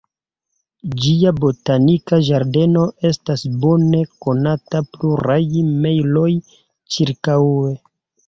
Ĝia botanika ĝardeno estas bone konata pluraj mejloj ĉirkaŭe.